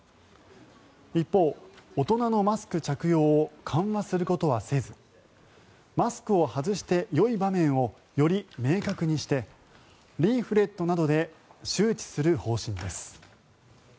一方、大人のマスク着用を緩和することはせずマスクを外してよい場面をより明確にしてリーフレットなどで周知する方針です。